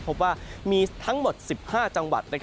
พบว่ามีทั้งหมด๑๕จังหวัด